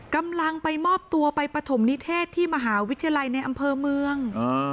กำลังไปมอบตัวไปปฐมนิเทศที่มหาวิทยาลัยในอำเภอเมือง